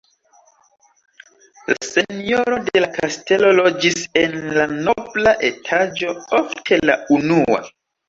La senjoro de la kastelo loĝis en la nobla etaĝo, ofte la unua.